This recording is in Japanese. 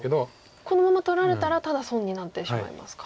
このまま取られたらただ損になってしまいますか。